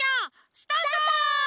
スタート！